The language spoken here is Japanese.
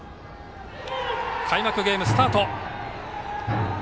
開幕ゲーム、スタート。